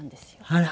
あら！